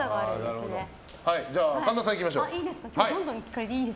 神田さんいきましょう。